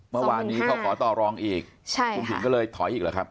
เมื่อวานนี้เขาขอต่อลองอีกใช่ค่ะก็เลยถอยอีกหรอครับ